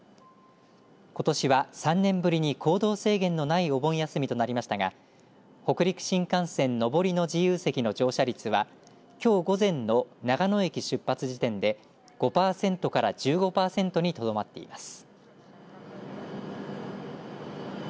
ことしは３年ぶりに行動制限のないお盆休みとなりましたが北陸新幹線上りの自由席の乗車率はきょう午前の長野駅出発時点で５パーセントから１５パーセントにとどまっています。